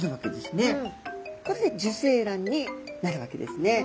これで受精卵になるわけですね。